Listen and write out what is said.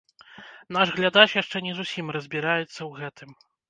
Наш глядач яшчэ не зусім разбіраецца ў гэтым.